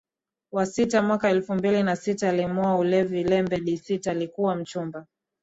wa sita mwaka elfu mbili na sita alimwoa Olive Lembe di Sita aliyekuwa mchumba